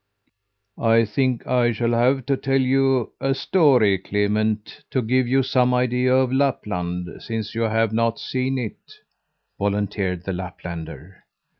"I think I shall have to tell you a story, Clement, to give you some idea of Lapland, since you have not seen it," volunteered the Laplander.